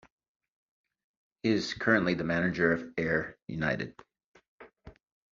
He is currently the manager of Ayr United.